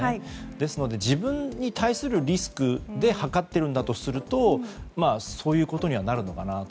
ですので、自分に対するリスクではかっているんだとするとそういうことにはなるのかなと。